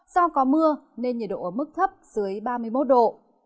do có mưa nên nhiệt độ ở mức thấp dưới ba mươi một độ